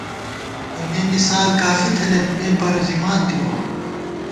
اېمے مثال کافی تھنَئیت ، مے پروزِمان تِوَہ